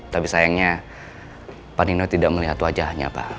tapi sayangnya pak nino tidak melihat wajahnya pak